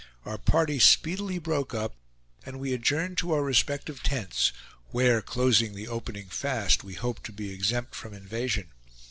Our party speedily broke up, and we adjourned to our respective tents, where, closing the opening fast, we hoped to be exempt from invasion.